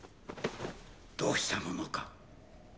どうしたものか